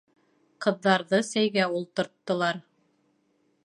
Ҡыҙҙарҙы сәйгә ултырттылар.